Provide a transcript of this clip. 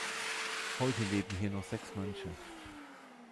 Heute leben hier noch sechs Mönche.